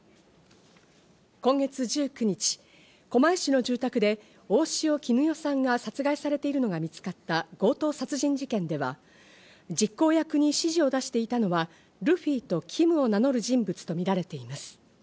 今月１９日、狛江市の住宅で大塩衣与さんが殺害されているのが見つかった強盗殺人事件では、実行役に指示を出していたのはルフィとＫＩＭを名乗る人物とみられています。